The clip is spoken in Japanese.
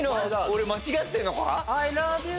俺間違ってんのか？